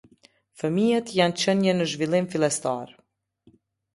Fëmijët janë qenie në zhvillim fillestar.